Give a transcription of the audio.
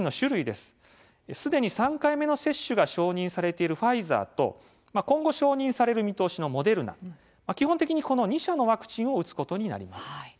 すでに３回目の接種が承認されているファイザーと今後、承認される見通しのモデルナ基本的にこの２社のワクチンを打つことになります。